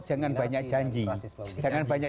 jangan banyak janji jangan banyak